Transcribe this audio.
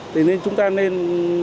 thì nên chúng ta nên